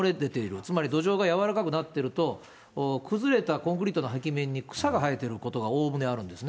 つまり土壌が軟らかくなっていると、崩れたコンクリートの壁面に草が生えてることがおおむねあるんですね。